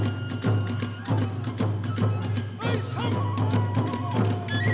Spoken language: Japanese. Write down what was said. ほいしょ！